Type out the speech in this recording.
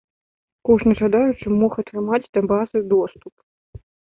Кожны жадаючы мог атрымаць да базы доступ.